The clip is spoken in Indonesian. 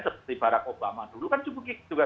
seperti barack obama dulu kan juga